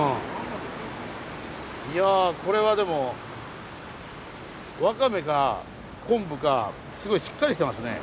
いやこれはでもワカメか昆布かすごいしっかりしてますね。